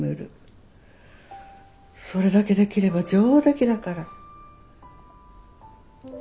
それだけできれば上出来だから。